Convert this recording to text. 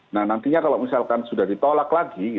nah nantinya kalau misalkan sudah ditolak lagi